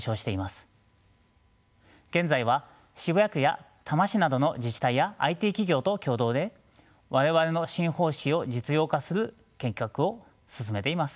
現在は渋谷区や多摩市などの自治体やＩＴ企業と共同で我々の新方式を実用化する計画を進めています。